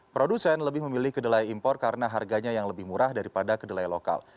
produsen lebih memilih kedelai impor karena harganya yang lebih murah daripada kedelai lokal